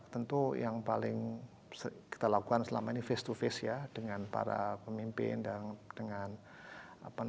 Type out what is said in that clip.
tentu yang paling kita lakukan selama ini face to face ya dengan para pemimpin dan dengan apa namanya